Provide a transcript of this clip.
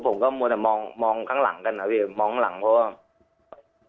ผมก็มัวแต่มองมองข้างหลังกันนะพี่มองหลังเพราะว่า